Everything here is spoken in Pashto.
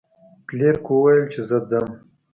فلیریک وویل چې زه ځم.